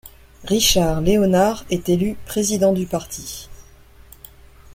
Richard Leonard est élu président du parti.